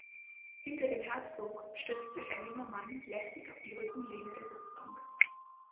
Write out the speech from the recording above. Hinter dem Herzog stützt sich ein junger Mann lässig auf die Rückenlehne der Sitzbank.